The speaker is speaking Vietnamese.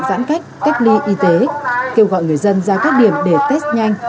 giãn cách cách ly y tế kêu gọi người dân ra các điểm để test nhanh